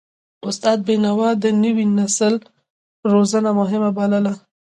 استاد بینوا د نوي نسل روزنه مهمه بلله.